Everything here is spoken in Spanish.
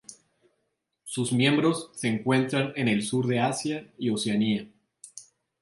Sus miembros se encuentran en el sur de Asia y Oceanía.